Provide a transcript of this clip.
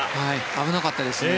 危なかったですね。